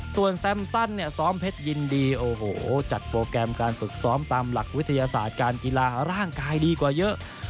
ส่วนแซมซันเนี่ยซ้อมเพชรยินดีโอ้โหจัดโปรแกรมการฝึกซ้อมตามหลักวิทยาศาสตร์การกีฬาร่างกายดีกว่าเยอะ